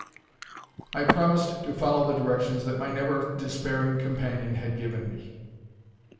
I promised to follow the directions that my never despairing companion had given me.